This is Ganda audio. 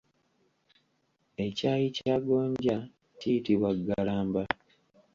Ekyayi kya gonja kiyitibwa Ggalamba.